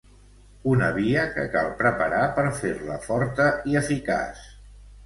Una via que cal preparar per fer-la forta i eficaç.